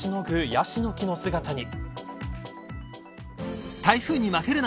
ヤシの木の姿に。